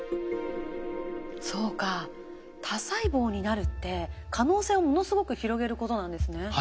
そうか多細胞になるって可能性をものすごく広げることなんですね。